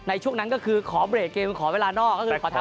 ในช่วงนั้นก็คือขอเบรกเกมขอเวลานอกก็คือขอทำ